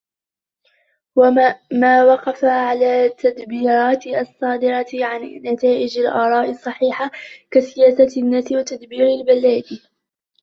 مَا وَقَفَ عَلَى التَّدْبِيرَاتِ الصَّادِرَةِ عَنْ نَتَائِجِ الْآرَاءِ الصَّحِيحَةِ كَسِيَاسَةِ النَّاسِ وَتَدْبِيرِ الْبِلَادِ